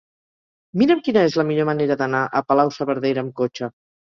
Mira'm quina és la millor manera d'anar a Palau-saverdera amb cotxe.